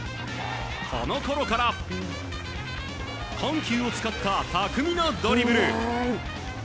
このころから緩急を使った巧みなドリブル。